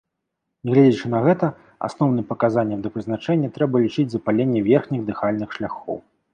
Нягледзячы на гэта, асноўным паказаннем да прызначэння трэба лічыць запаленне верхніх дыхальных шляхоў.